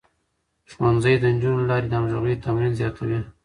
ښوونځی د نجونو له لارې د همغږۍ تمرين زياتوي.